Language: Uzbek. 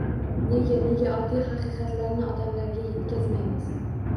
Nega, nega oddiy haqiqatlarni odamlarga yetkazmaymiz!?